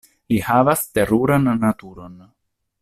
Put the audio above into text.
Li havas teruran naturon.